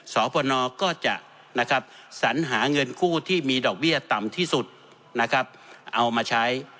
สพนก็จะสัญหาเงินกู้ที่มีดอกเบี้ยต่ำที่สุดนะครับเอามาใช้